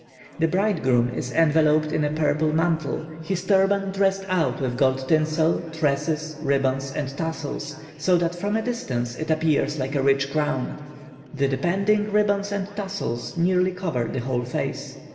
The bridegroom is enveloped in a purple mantle, his turban dressed out with gold tinsel, tresses, ribbons, and tassels, so that from a distance it appears like a rich crown. The depending ribbons and tassels nearly cover the whole face.